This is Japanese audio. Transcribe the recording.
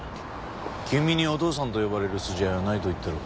君にお父さんと呼ばれる筋合いはないと言ったろう。